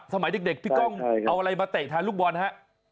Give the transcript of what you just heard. สมัยเด็กพี่ก้องเอาอะไรมาเตะทานลูกบอลฮะ